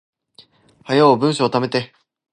早う文章溜めて